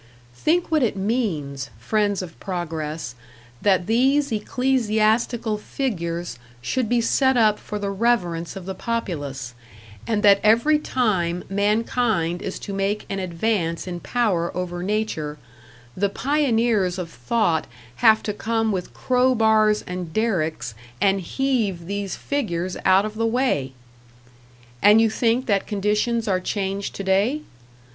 Think what it means, friends of progress, that these ecclesiastical figures should be set up for the reverence of the populace, and that every time mankind is to make an advance in power over Nature, the pioneers of thought have to come with crow bars and derricks and heave these figures out of the way! And you think that conditions are changed to day?